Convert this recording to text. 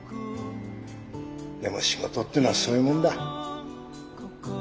でも仕事っていうのはそういうもんだ。